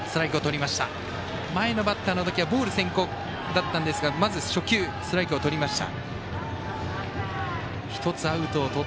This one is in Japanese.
前のバッターのときはボール先行だったんですがまず初球ストライクをとりました。